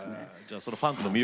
そのファンクの魅力